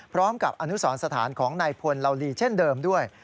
พร้อมกับอนุสรสถานของนายพลเหล่าลีเช่นเดิมด้วย